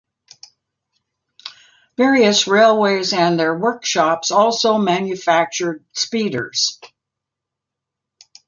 Various railways and their workshops also manufactured speeders.